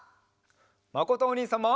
まことおにいさんも。